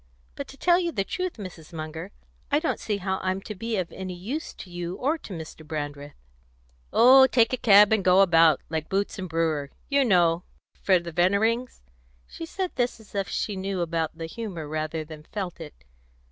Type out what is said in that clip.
"But to tell you the truth, Mrs. Munger, I don't see how I'm to be of any use to you or to Mr. Brandreth." "Oh, take a cab and go about, like Boots and Brewer, you know, for the Veneerings." She said this as if she knew about the humour rather than felt it.